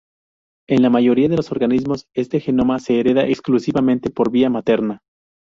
En la mayoría de los organismos, este genoma se hereda exclusivamente por vía materna.